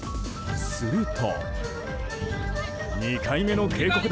すると。